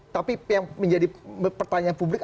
tapi yang menjadi pertanyaan publik